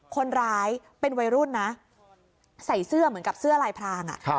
คนร้ายเป็นวัยรุ่นนะใส่เสื้อเหมือนกับเสื้อลายพราง